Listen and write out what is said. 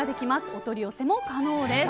お取り寄せも可能です。